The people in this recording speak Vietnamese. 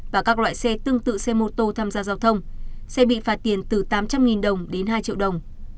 và các loại xe tương tự xe mô tô tham gia giao thông sẽ bị phạt tiền từ tám trăm linh đồng đến hai triệu đồng